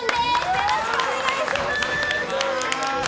よろしくお願いします。